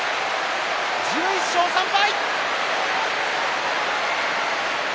１１勝３敗。